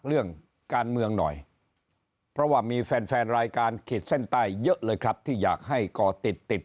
เรื่องการเมืองหน่อยเพราะว่ามีแฟนแฟนรายการขีดเส้นใต้เยอะเลยครับที่อยากให้ก่อติดติด